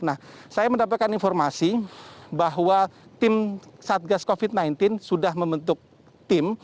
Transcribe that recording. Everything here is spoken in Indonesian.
nah saya mendapatkan informasi bahwa tim satgas covid sembilan belas sudah membentuk tim